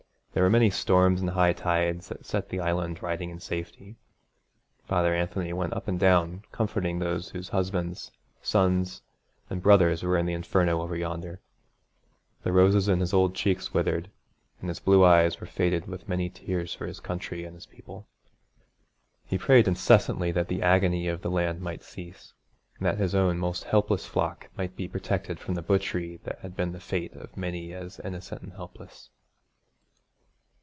There were many storms and high tides that set the Island riding in safety. Father Anthony went up and down comforting those whose husbands, sons, and brothers were in the Inferno over yonder. The roses in his old cheeks withered, and his blue eyes were faded with many tears for his country and his people. He prayed incessantly that the agony of the land might cease, and that his own most helpless flock might be protected from the butchery that had been the fate of many as innocent and helpless.